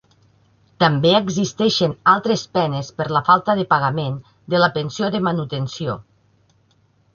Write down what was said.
També existeixen altres penes per la falta de pagament de la pensió de manutenció.